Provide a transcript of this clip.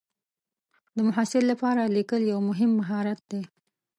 د محصل لپاره لیکل یو مهم مهارت دی.